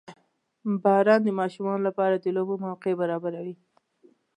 • باران د ماشومانو لپاره د لوبو موقع برابروي.